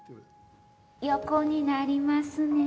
横になりますね。